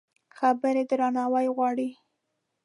خبرې درناوی غواړي.